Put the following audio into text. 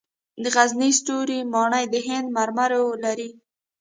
د غزني ستوري ماڼۍ د هند مرمرو لري